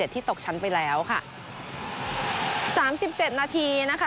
ที่ตกชั้นไปแล้วค่ะสามสิบเจ็ดนาทีนะคะ